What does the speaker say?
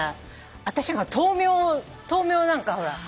私豆苗なんかほら。